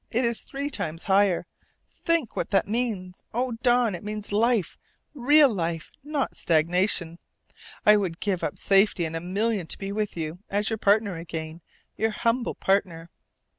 It is three times higher! Think what that means. Oh, Don, it means life, real life, not stagnation! I would give up safety and a million to be with you as your partner again, your humble partner.